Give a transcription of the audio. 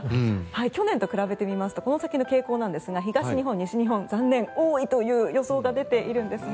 去年と比べてみますとこの先の傾向なんですが東日本、西日本残念、多いという予想が出ているんですね。